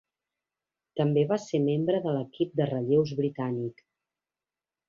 També va ser membre de l'equip de relleus britànic.